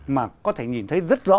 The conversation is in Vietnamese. mà có thể nhìn thấy rất rõ